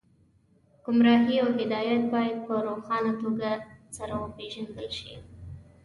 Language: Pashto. ګمراهي او هدایت باید په روښانه توګه سره وپېژندل شي